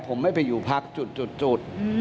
ผมไม่ไปอยู่พักจุด